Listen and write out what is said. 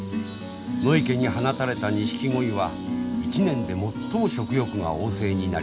野池に放たれたニシキゴイは一年で最も食欲が旺盛になります。